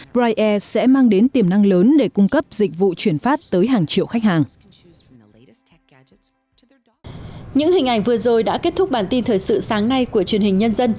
bre sẽ mang đến tiềm năng lớn để cung cấp dịch vụ chuyển phát tới hàng triệu khách hàng